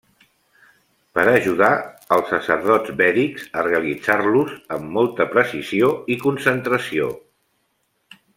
Per ajudar els sacerdots vèdics a realitzar-los amb molta precisió i concentració.